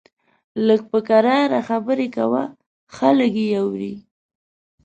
لږ په کرار خبرې کوه، خلک يې اوري!